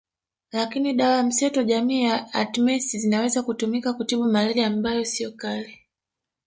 Lakini dawa mseto jamii ya Artemisin zinaweza kutumika kutibu malaria ambayo siyo kali